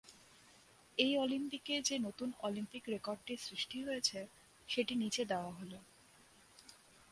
এই অলিম্পিকে যে নতুন অলিম্পিক রেকর্ডটি সৃষ্টি হয়েছে সেটি নিচে দেওয়া হল।